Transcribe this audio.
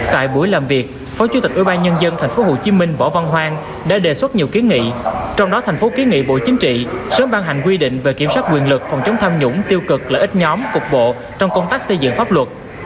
tại buổi làm việc phó chủ tịch ủy ban nhân dân tp hcm võ văn hoang đã đề xuất nhiều ký nghị trong đó tp ký nghị bộ chính trị sớm ban hành quy định về kiểm soát quyền lực phòng chống tham nhũng tiêu cực lợi ích nhóm cục bộ trong công tác xây dựng pháp luật